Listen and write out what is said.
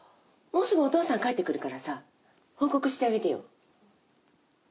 もうすぐお父さん帰ってくるからさ報告してあげてよ。